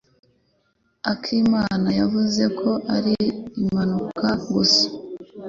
Akimana yavuze ko ari impanuka gusa.